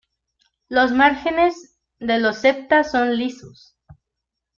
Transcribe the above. Los márgenes de los septa son lisos.